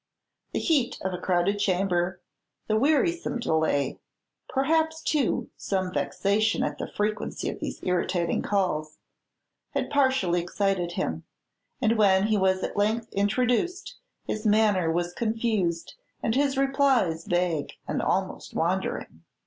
The heat of a crowded chamber, the wearisome delay, perhaps, too, some vexation at the frequency of these irritating calls, had partially excited him; and when he was at length introduced, his manner was confused, and his replies vague and almost wandering.